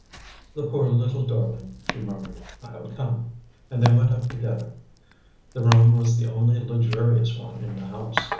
"The poor little darling!" she murmured. "I'll come." And they went up together. The room was the only luxurious one in the house.